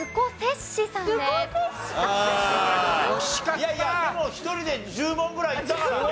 いやいやでも１人で１０問ぐらいいったからね。